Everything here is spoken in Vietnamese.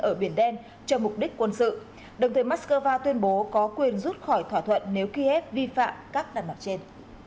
ở biển đen cho mục đích quân sự đồng thời moscow tuyên bố có quyền rút khỏi thỏa thuận nếu kiev vi phạm các đàn mặt trên